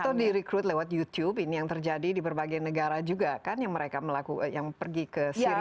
atau direkrut lewat youtube ini yang terjadi di berbagai negara juga kan yang pergi ke syria